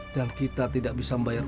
dan kita tidak bisa membayar